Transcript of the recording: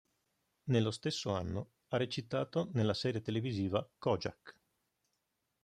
Nello stesso anno, ha recitato nella serie televisiva "Kojak".